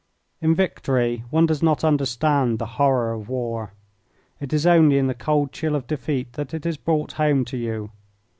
In victory one does not understand the horror of war. It is only in the cold chill of defeat that it is brought home to you.